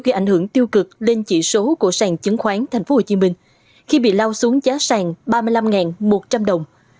gây ảnh hưởng tiêu cực lên chỉ số của sàng chứng khoán tp hcm khi bị lao xuống giá sàng ba mươi năm một trăm linh đồng